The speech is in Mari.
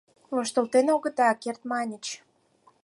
Воштылтен огыда керт, — маньыч.